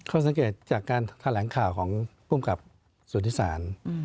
ข้อสังเกตจากการแถลงข่าวของผู้กลับสวทธิษฐาน